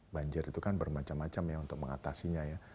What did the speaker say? banjir itu kan bermacam macam ya untuk mengatasinya ya